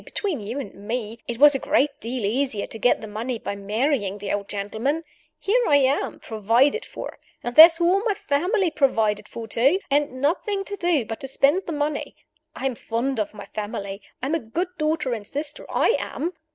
between you and me, it was a great deal easier to get the money by marrying the old gentleman. Here I am, provided for and there's all my family provided for, too and nothing to do but to spend the money. I am fond of my family; I'm a good daughter and sister I am!